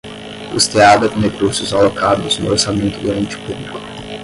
custeada com recursos alocados no orçamento do ente público